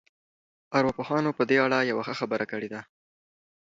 ارواپوهانو په دې اړه يوه ښه خبره کړې ده.